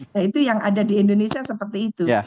nah itu yang ada di indonesia seperti itu